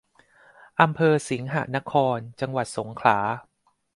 อำเภอสิงหนคร จังหวัดสงขลา